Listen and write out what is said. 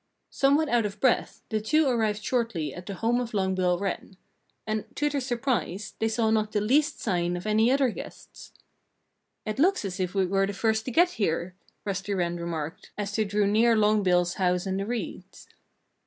Somewhat out of breath, the two arrived shortly at the home of Long Bill Wren. And, to their surprise, they saw not the least sign of any other guests. "It looks as if we were the first to get here," Rusty Wren remarked, as they drew near Long Bill's house in the reeds.